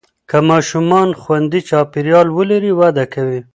که ماشومان خوندي چاپېریال ولري، وده کوي.